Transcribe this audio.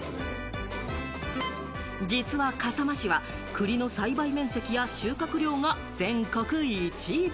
実は笠間市は栗の栽培面積や収穫量が全国１位。